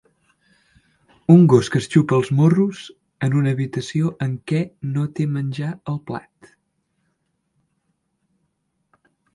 Un gos que es xupa els morros en una habitació en què no té menjar al plat